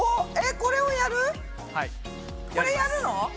これやるの？